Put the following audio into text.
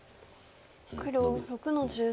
黒６の十三。